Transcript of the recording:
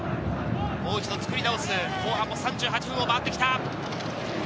もう一度作り直す、後半も３８分を回ってきた。